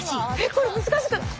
これ難しくない？